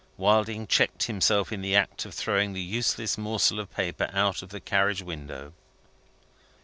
Wilding checked himself in the act of throwing the useless morsel of paper out of the carriage window.